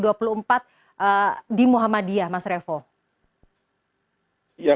iya kalau kepentingan pemerintah tempat nasional